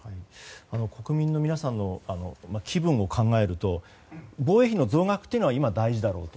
国民の皆さんの気分を考えると防衛費の増額は今、大事だろうと。